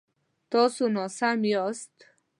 تاسو ناسم یاست